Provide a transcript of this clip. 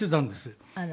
あら。